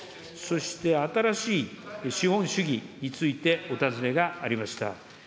そして、新しい資本主義についてお尋ねがありました。